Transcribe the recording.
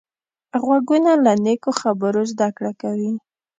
غوږونه له نیکو خبرو زده کړه کوي